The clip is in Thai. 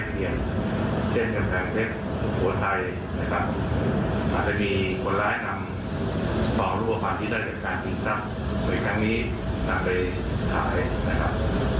ก็ขอให้แจ้งติดต่อกระทั่งสรุปกรณ์ในวัตถาม